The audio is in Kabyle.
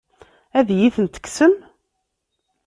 Ad iyi-ten-tekksem?